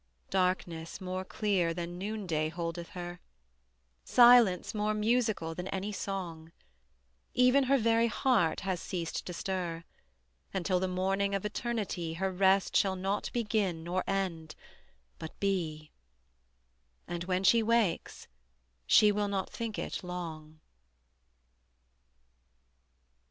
Darkness more clear than noonday holdeth her, Silence more musical than any song; Even her very heart has ceased to stir: Until the morning of Eternity Her rest shall not begin nor end, but be; And when she wakes she will not think it long.